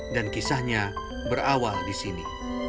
dan kisahnya berawal di sini